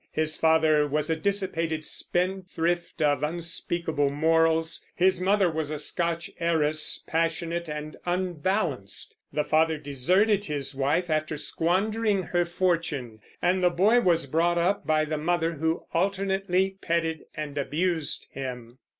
His father was a dissipated spendthrift of unspeakable morals; his mother was a Scotch heiress, passionate and unbalanced. The father deserted his wife after squandering her fortune; and the boy was brought up by the mother who "alternately petted and abused" him.